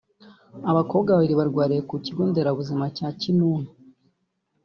Abakobwa babiri barwariye ku kigo nderabuzima cya Kinunu